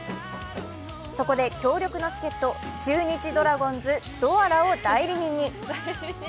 そこで強力な助っ人、中日ドラゴンズ・ドアラを代理人に。